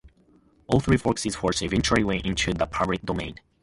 All three Foxy shorts eventually went into the public domain.